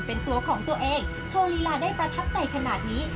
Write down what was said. เป็นตัวของตัวเองโชว์ลีลาได้ประทับใจขนาดนี้